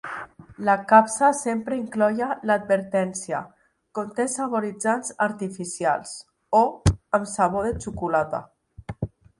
La capsa sempre incloïa l'advertència "conté saboritzants artificials" o "amb sabor de xocolata".